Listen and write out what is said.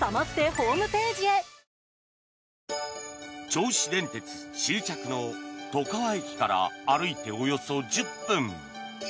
銚子電鉄終着の外川駅から歩いておよそ１０分。